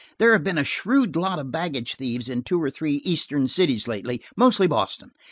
There have been a shrewd lot of baggage thieves in two or three eastern cities lately, mostly Boston.